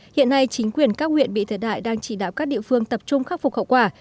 hiện nay chính quyền các huyện bị thiệt hại đang chỉ đạo các địa phương tập trung khắc phục khẩu quả